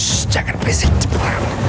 shhh jangan berisik cepat